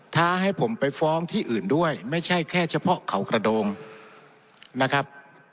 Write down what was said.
ให้ผมไปฟ้องที่อื่นด้วยไม่ใช่แค่เฉพาะเขากระโดงนะครับ